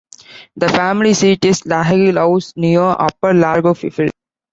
The family seat is Lahill House, near Upper Largo, Fife.